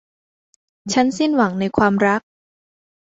ฉันสิ้นหวังในความรัก